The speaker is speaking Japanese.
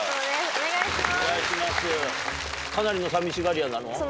お願いします。